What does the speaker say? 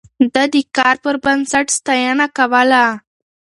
ده د کار پر بنسټ ستاينه کوله.